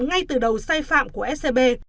ngay từ đầu sai phạm của scb